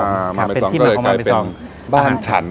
มาบ่ายสองก็เลยกลายเป็น